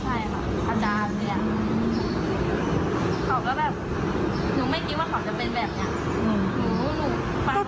เขาก็แบบหนูไม่คิดว่าเขาจะเป็นแบบนี้